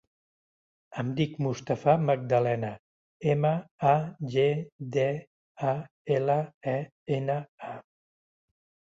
Em dic Mustafa Magdalena: ema, a, ge, de, a, ela, e, ena, a.